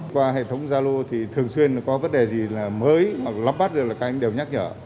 qua hệ thống gia lô thì thường xuyên có vấn đề gì mới hoặc lắp bắt được là các anh đều nhắc nhở